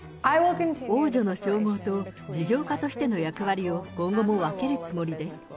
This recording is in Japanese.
王女の称号と事業家としての役割を今後も分けるつもりです。